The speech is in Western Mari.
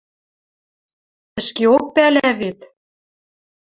Ӹшкеок пӓлӓ вет.